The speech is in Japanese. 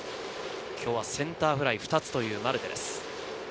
センターフライ２つというマルテです。